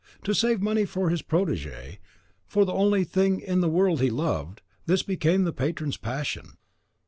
To save money for his protege, for the only thing in the world he loved, this became the patron's passion.